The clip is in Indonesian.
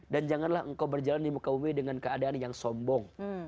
dan janganlah engkau berjalan di muka ummi dengan keadaan yang sombong